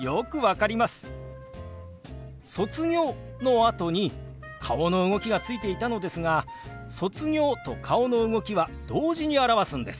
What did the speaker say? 「卒業」のあとに顔の動きがついていたのですが「卒業」と顔の動きは同時に表すんです。